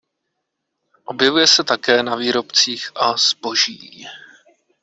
Objevuje se také na výrobcích a zboží.